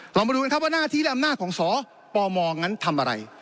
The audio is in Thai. เรามาดูกันครับว่าหน้าที่และอำนาจของสปมนั้นทำอะไร